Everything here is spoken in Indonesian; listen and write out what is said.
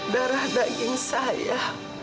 darah daging saya